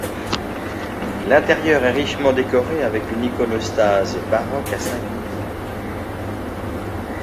L’intérieur est richement décoré avec une iconostase baroque à cinq niveaux.